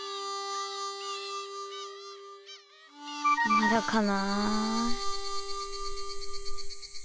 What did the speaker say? まだかな。